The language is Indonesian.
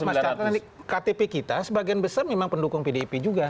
mas cak tandik ktp kita sebagian besar memang pendukung pdip juga